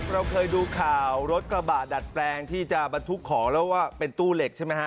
เราเคยดูข่าวรถกระบะดัดแปลงที่จะบรรทุกของแล้วว่าเป็นตู้เหล็กใช่ไหมฮะ